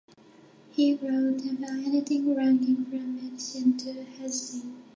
He wrote about anything ranging from medicine to hygiene.